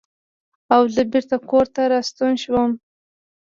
او زۀ بېرته کورته راستون شوم ـ